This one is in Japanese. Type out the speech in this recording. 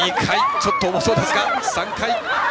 ちょっと重そうですが、３回。